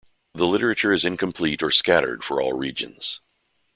The literature is incomplete or scattered for all regions.